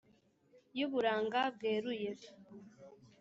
y’uburanga bweruye